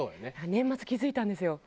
年末気付いたんですよ。